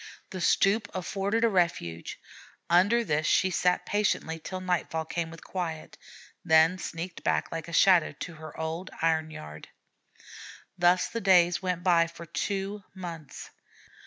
The stoop afforded a refuge. Under this she sat patiently till nightfall came with quiet, then sneaked back like a shadow to her old iron yard. Thus the days went by for two months.